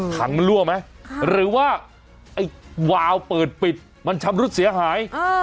ถังมันรั่วไหมหรือว่าไอ้วาวเปิดปิดมันชำรุดเสียหาย